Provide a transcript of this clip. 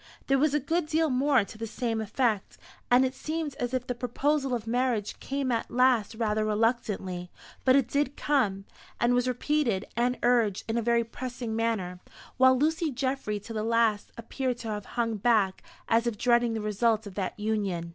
There was a good deal more to the same effect, and it seemed as if the proposal of marriage came at last rather reluctantly; but it did come, and was repeated, and urged in a very pressing manner; while Lucy Geoffry to the last appeared to have hung back, as if dreading the result of that union.